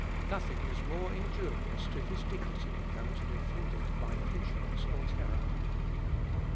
Nothing is more injurious to his dignity than to defend it by pensions or terror.